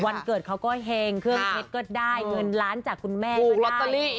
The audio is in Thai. วันเกิดเขาก็แห่งเครื่องเท็จเกิดได้เงินล้านจากคุณแม่ได้